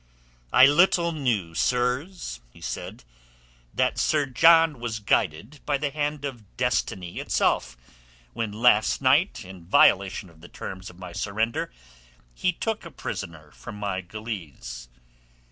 "I little knew, sirs," he said, "that Sir John was guided by the hand of destiny itself when last night, in violation of the terms of my surrender, he took a prisoner from my galeasse.